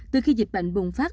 từ khi dịch bệnh bùng phát